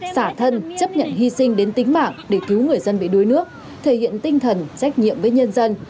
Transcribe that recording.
xả thân chấp nhận hy sinh đến tính mạng để cứu người dân bị đuối nước thể hiện tinh thần trách nhiệm với nhân dân